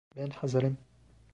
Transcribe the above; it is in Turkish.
Ben hazırım.